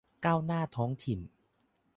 ก้าวหน้าท้องถิ่น